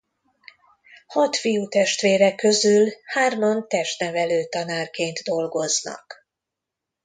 Hat fiútestvére közül hárman testnevelő tanárként dolgoznak.